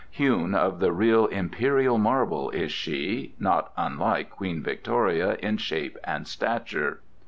Hewn of the real imperial marble is she, not unlike Queen Victoria in shape and stature.